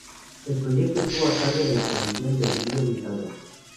El proyecto estuvo a cargo de la Comisión del Río Grijalva.